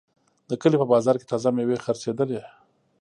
د کلي په بازار کې تازه میوې خرڅېدلې.